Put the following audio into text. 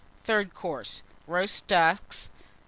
THIRD COURSE. Roast Ducks.